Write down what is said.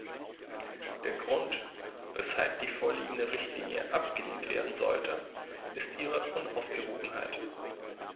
Der Grund, weshalb die vorliegende Richtlinie abgelehnt werden sollte, ist ihre Unausgewogenheit.